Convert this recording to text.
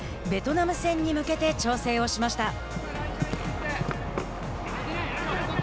ベトナム戦に向けて調整をしました。